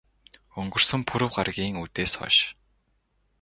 Өнгөрсөн пүрэв гаригийн үдээс хойш.